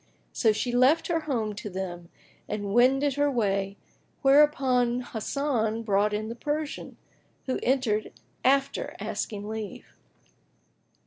So she left her home to them and wended her way, whereupon Hasan brought in the Persian, who entered after asking leave.